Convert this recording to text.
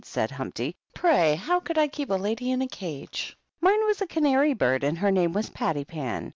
said Humpty. " Pray, how could I keep a lady in a cage? Mine was a canary bird, and her name was Pattypan.